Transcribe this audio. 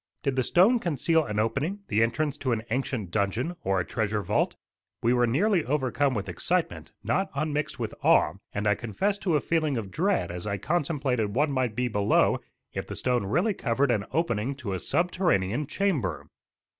Did the stone conceal an opening, the entrance to an ancient dungeon, or a treasure vault? We were nearly overcome with excitement, not unmixed with awe, and I confess to a feeling of dread as I contemplated what might be below if the stone really covered an opening to a subterranean chamber.